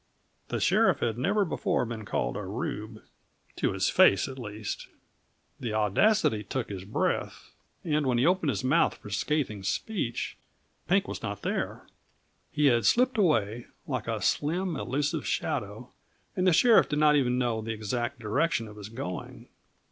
The sheriff had never before been called a Rube to his face, at least. The audacity took his breath; and when he opened his mouth for scathing speech, Pink was not there. He had slipped away, like a slim, elusive shadow, and the sheriff did not even know the exact direction of his going.